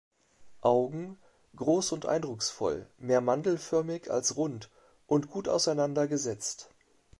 Augen: Groß und eindrucksvoll, mehr mandelförmig als rund und gut auseinander gesetzt.